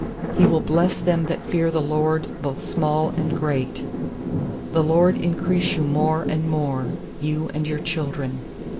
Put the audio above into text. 13He will bless them that fear the LORD, Both small and great. I4The LORD increase you more and more, You and your children.